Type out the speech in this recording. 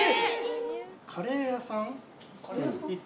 カレー屋さん？